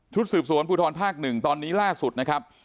สืบสวนภูทรภาค๑ตอนนี้ล่าสุดนะครับ